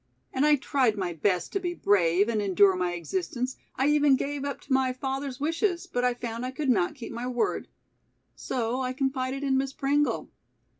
And I tried my best to be brave and endure my existence. I even gave up to my father's wishes, but I found I could not keep my word. So I confided in Miss Pringle.